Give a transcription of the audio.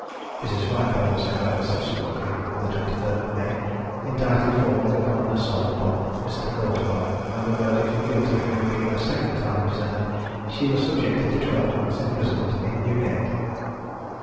Mrs. Phipoe was, however, subsequently, on the 23rd of May, indicted for the common assault upon Mr. Cortois, and a verdict of guilty having been a second time returned, she was subjected to twelve months' imprisonment in Newgate.